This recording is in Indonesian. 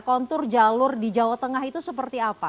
kontur jalur di jawa tengah itu seperti apa